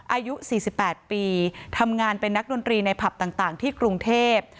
อายุ๔๘ปีทำงานเป็นนักดนตรีในผับต่างที่กรุงเทพ